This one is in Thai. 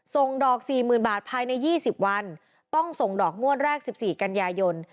ส่งดอก๔๐๐๐บาทภายใน๒๐วันต้องส่งดอกงวดแรก๑๔กันยายน